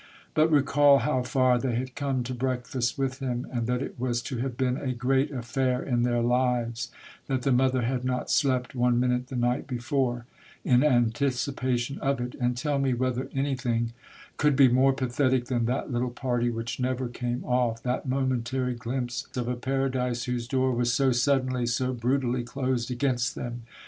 But recall how far they had come to breakfast with him, and that it was to have been a great affair in their lives, that the mother had not slept one minute the night before, in anticipation of it, and tell me whether anything could be more pa thetic than that little party which never came off, that momentary glimpse of a paradise whose door was so suddenly, so brutally, closed against them.